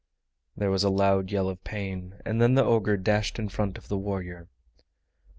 There was a loud yell of pain, and then the ogre dashed in front of the warrior.